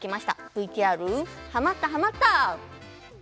ＶＴＲ、ハマったハマった！